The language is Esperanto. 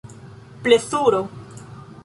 plezuro